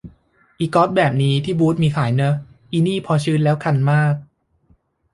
อิกอซแบบนี้ ที่บูตส์มีขายเนอะ อินี่พอชื้นแล้วคันมาก